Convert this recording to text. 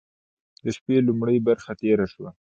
د شپې لومړۍ برخه تېره وه.